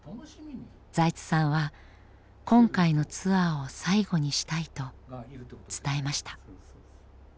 財津さんは今回のツアーを最後にしたいと伝えました。